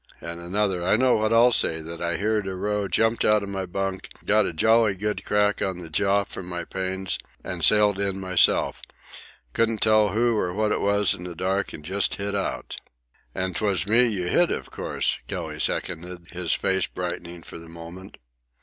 And another, "I know what I'll say—that I heered a row, jumped out of my bunk, got a jolly good crack on the jaw for my pains, and sailed in myself. Couldn't tell who or what it was in the dark and just hit out." "An' 'twas me you hit, of course," Kelly seconded, his face brightening for the moment.